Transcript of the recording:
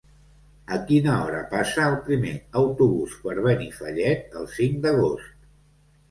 A quina hora passa el primer autobús per Benifallet el cinc d'agost?